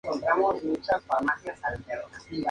La joven reina encontró en su marido a un amante tímido.